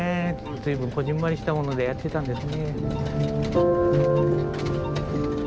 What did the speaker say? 随分こぢんまりしたものでやってたんですね。